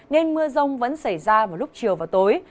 nên mưa rông vẫn xảy ra vào lúc chiều và tối